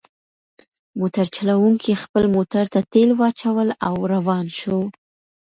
موټر چلونکي خپل موټر ته تیل واچول او روان شو.